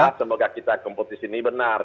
semoga kompetisi ini benar